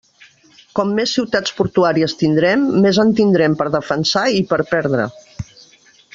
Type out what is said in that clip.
Com més ciutats portuàries tindrem, més en tindrem per defensar i per perdre.